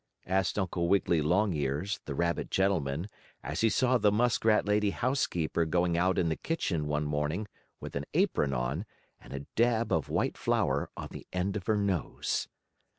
asked Uncle Wiggily Longears, the rabbit gentleman, as he saw the muskrat lady housekeeper going out in the kitchen one morning, with an apron on, and a dab of white flour on the end of her nose.